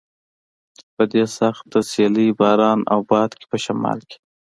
په دې سخته سیلۍ، باران او باد کې په شمال کې.